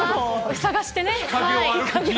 探してね。